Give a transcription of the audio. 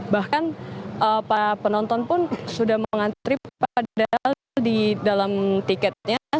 bahkan para penonton pun sudah mengantri padahal di dalam tiketnya